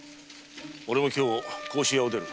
俺も今日甲州屋を出る。